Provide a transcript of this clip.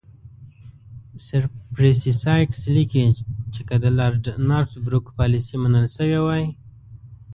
سر پرسي سایکس لیکي چې که د لارډ نارت بروک پالیسي منل شوې وای.